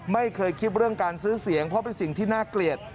ไม่เคยคิดเรื่องการซื้อเสียงเพราะเป็นสิ่งที่น่าเกลียด